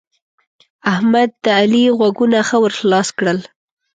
احمد؛ د علي غوږونه ښه ور خلاص کړل.